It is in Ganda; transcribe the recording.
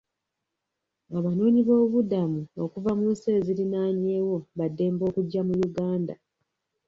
Abanoonyiboobubudamu okuva mu nsi eziriraanyeewo ba ddembe okujja mu Uganda.